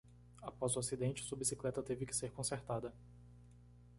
Após o acidente? sua bicicleta teve que ser consertada.